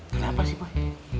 kenapa sih boy